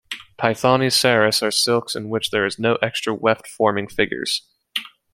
Paithani saris are silks in which there is no extra weft forming figures.